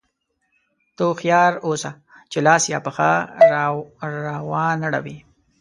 ته هوښیار اوسه چې لاس یا پښه را وانه وړې.